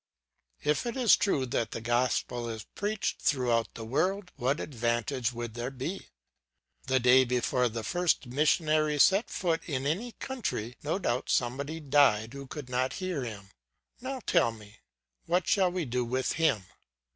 "If it were true that the gospel is preached throughout the world, what advantage would there be? The day before the first missionary set foot in any country, no doubt somebody died who could not hear him. Now tell me what we shall do with him?